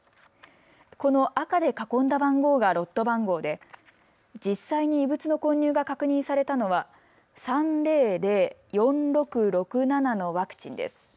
この赤で囲んだ番号がロット番号で実際に異物の混入が確認されたのは３００４６６７のワクチンです。